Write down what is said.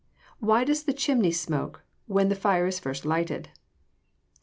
_Why does the chimney smoke when the fire is first lighted?